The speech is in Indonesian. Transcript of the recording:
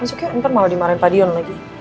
masuk yuk entar malah dimarahin pak dion lagi